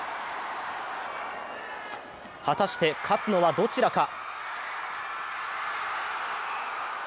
果たして勝つのはどちらか。